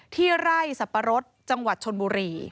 ไร่สับปะรดจังหวัดชนบุรี